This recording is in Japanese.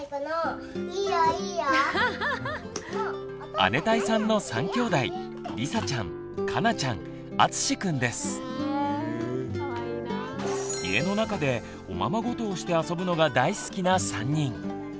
姉帶さんの３きょうだい家の中でおままごとをして遊ぶのが大好きな３人。